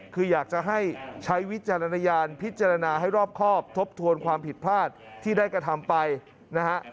คืออยากจะให้ใช้วิจารณญาณพิจารณาให้รอบครอบทบทวนความผิดพลาดที่ได้กระทำไปนะฮะ